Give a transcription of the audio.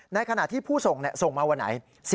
ในขณะที่ผู้ส่งส่งมาวันไหน